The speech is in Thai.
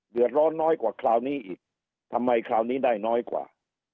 เดือดร้อนน้อยกว่าคราวนี้อีกทำไมคราวนี้ได้น้อยกว่า